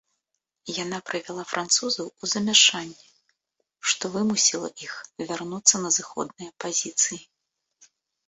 Яна прывяла французаў у замяшанне, што вымусіла іх вярнуцца на зыходныя пазіцыі.